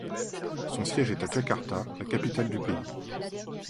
Son siège est à Jakarta, la capitale du pays.